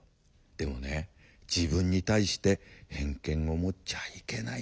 でもね自分に対して偏見を持っちゃいけないんだよ」。